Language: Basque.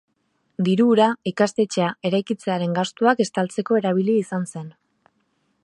Diru hura ikastetxea eraikitzearen gastuak estaltzeko erabili izan zen.